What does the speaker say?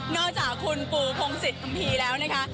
อกจากคุณปูพงศิษย์คัมภีร์แล้วนะคะ